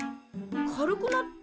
軽くなった？